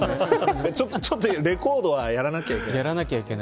ちょっと、レコードはやらないといけないな。